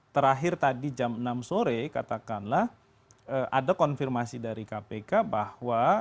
terakhir tadi jam enam sore katakanlah ada konfirmasi dari kpk bahwa